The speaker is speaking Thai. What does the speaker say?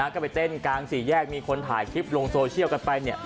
จะไปเต้นกลาง๔แยกมีคนถ่ายคลิปลงโซเชียลกันไปเนี่ย